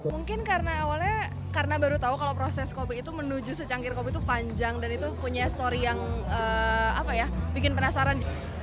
mungkin karena awalnya karena baru tahu kalau proses kopi itu menuju secangkir kopi itu panjang dan itu punya story yang bikin penasaran